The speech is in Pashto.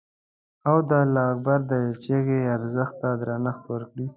او د الله اکبر د چیغې ارزښت ته درنښت وکړي.